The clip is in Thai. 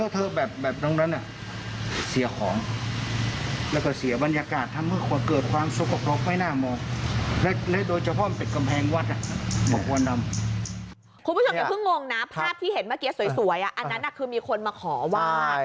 ภาพที่เห็นเมื่อกี้สวยอันนั้นคือมีคนมาขอว่า